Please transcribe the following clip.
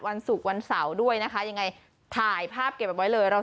วันสุขวันเสาร์ด้วยนะคะยังไงถ่ายภาพเก็บไว้เลยเรา